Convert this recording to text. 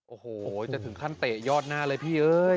โอ้โหจะถึงขั้นเตะยอดหน้าเลยพี่เอ้ย